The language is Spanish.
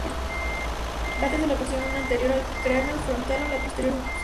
Va desde la porción anterior del cráneo o frontal a la posterior u occipital.